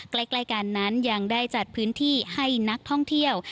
ใกล้กันนั้นยังได้จัดพื้นที่ให้นักท่องเที่ยว